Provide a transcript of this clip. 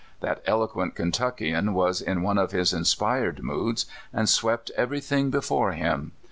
That eloquent Kentuckian was in one of his inspired moods, and swept every thing before him.